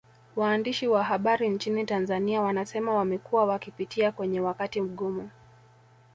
Waandishi wa habari nchini Tanzania wanasema wamekuwa wakipitia kwenye wakati mgumu